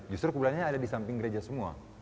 justru kuburannya ada di samping gereja semua